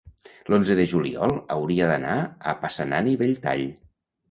l'onze de juliol hauria d'anar a Passanant i Belltall.